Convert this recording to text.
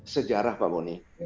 sejarah pak boni